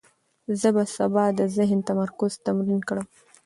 زه به سبا د ذهن تمرکز تمرین کړم.